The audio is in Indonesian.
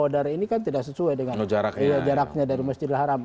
saudara ini kan tidak sesuai dengan jaraknya dari masjidil haram